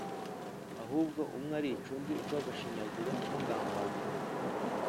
ahubwo umwe arica undi urw’agashinyaguro, amugambanira,